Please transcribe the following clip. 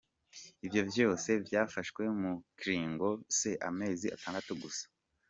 Ivyo vyose vyafashwe mu kringo c 'amezi atandatu gusa.